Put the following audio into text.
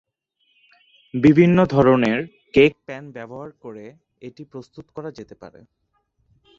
বিভিন্ন ধরণের cake pan ব্যবহার করে এটি প্রস্তুত করা যেতে পারে।